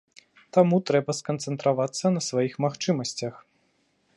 Таму трэба сканцэнтравацца на сваіх магчымасцях.